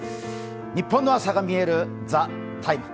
ニッポンの朝がみえる「ＴＨＥＴＩＭＥ，」